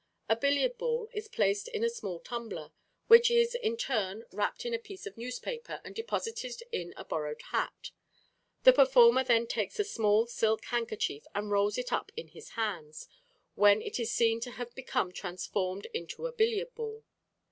A billiard ball is placed in a small tumbler, which is in turn wrapped in a piece of newspaper and deposited in a borrowed hat. The performer then takes a small silk handkerchief and rolls it up in his hands, when it is seen to have become transformed into a billiard ball.